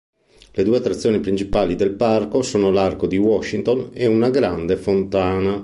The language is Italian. Le due attrazioni principali del parco sono l'Arco di Washington e una grande fontana.